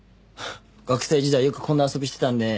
学生時代よくこんな遊びしてたんで。